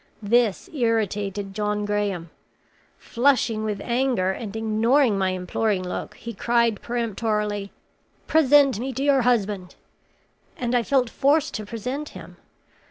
This irritated John Graham. Flushing with anger, and ignoring my imploring look, he cried peremptorily, 'Present me to your husband!' and I felt forced to present him.